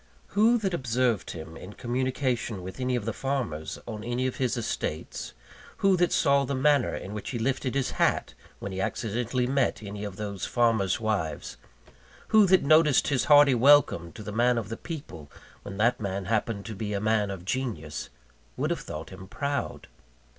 Who that observed him in communication with any of the farmers on any of his estates who that saw the manner in which he lifted his hat, when he accidentally met any of those farmers' wives who that noticed his hearty welcome to the man of the people, when that man happened to be a man of genius would have thought him proud?